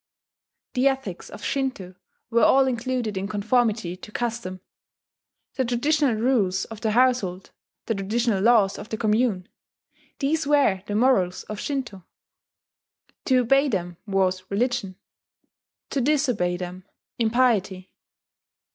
The ethics of Shinto were all included in conformity to custom. The traditional rules of the household, the traditional laws of the commune these were the morals of Shinto: to obey them was religion; to disobey them, impiety